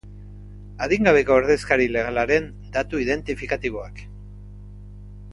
Adingabeko ordezkari legalaren datu identifikatiboak